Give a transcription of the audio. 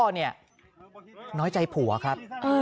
น้อยใจผัวครับ